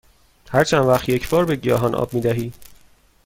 هر چند وقت یک بار به گیاهان آب می دهی؟